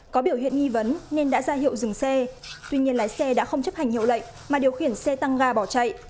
có biểu hiện nghi vấn nên đã ra hiệu dừng xe tuy nhiên lái xe đã không chấp hành hiệu lệnh mà điều khiển xe tăng ga bỏ chạy